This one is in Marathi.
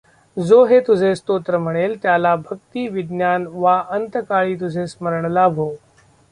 जो हे तुझे स्तोत्र म्हणेल त्याला भक्ती, विज्ञान वा अंतकाळी तुझे स्मरण लाभो.